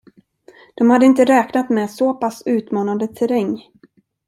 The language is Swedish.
De hade inte räknat med såpass utmanande terräng.